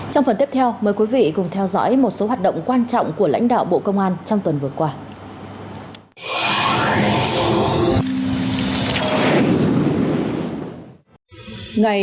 trong phần tiếp theo mời quý vị